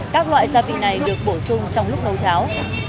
các loại gia vị này được bổ sung trong lúc nâu cháo